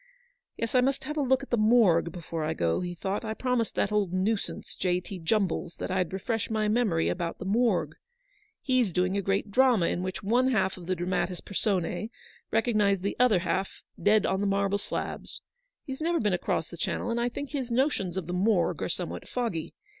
" Yes, I must have a look at the Morgue before I go/' he thought; "I promised that old nuisance J. T. Jumballs that I'd refresh my memory about^the Morgue. He's doing a great drama in which one half of the dramatis persona recognise the other half dead on the marble slabs. He's never been across the Channel, and I think his notions of the Morgue are somewhat foggy.